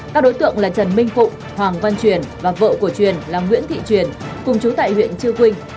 các đối tượng là trần minh phụng hoàng văn truyền và vợ của truyền là nguyễn thị truyền cùng chú tại huyện chư quynh